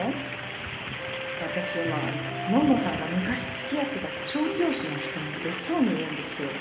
私今のんのさんが昔つきあってた調教師の人の別荘にいるんですよ。